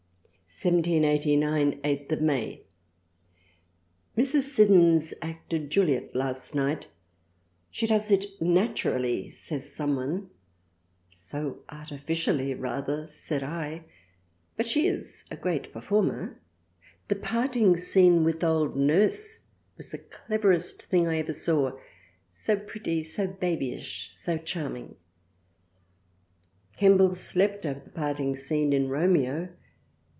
1789 8th May; Mrs Siddons acted Juliet last Night, she does it naturally says some one, so arti ficially rather said I : but she is a great performer, the parting Scene with old Nurse was the cleverest thing I ever saw, so pretty so babyish so charming. Kemble slept over the parting Scene in Romeo.